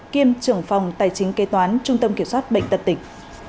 kiêm trưởng phòng tài chính kế toán trung tâm kiểm soát bệnh tật tỉnh